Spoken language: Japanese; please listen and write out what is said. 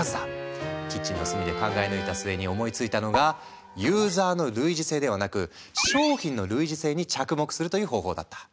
キッチンの隅で考え抜いた末に思いついたのがユーザーの類似性ではなく商品の類似性に着目するという方法だった。